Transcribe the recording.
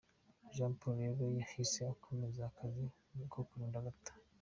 Jean Paul rero yahise akomeza akazi ko kurinda Agatha.